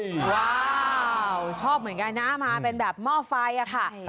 ว้าวชอบเหมือนกันนะมาเป็นแบบหม้อไฟอะค่ะ